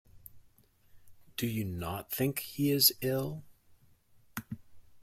You do not think he is ill?